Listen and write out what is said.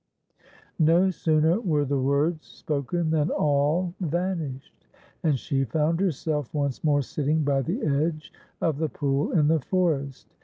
No sooner were the words spoken than all vanished, and she found herself once more sitting by the edge of the pool in the forest.